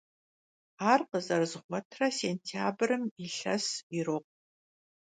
Ar khızerızğuetre sêntyabrım yilhes yirokhu.